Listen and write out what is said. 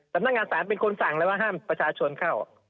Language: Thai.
สำนักงานศาลเป็นคนสั่งเลยว่าห้ามประชาชนเข้า